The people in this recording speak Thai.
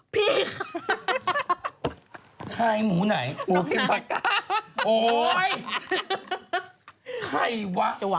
พี่ปุ้ยลูกโตแล้ว